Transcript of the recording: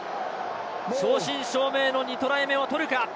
正真正銘の２トライ目を取るか。